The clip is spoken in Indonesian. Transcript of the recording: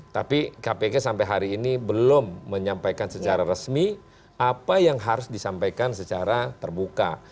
tapi kpk sampai hari ini belum menyampaikan secara resmi apa yang harus disampaikan secara terbuka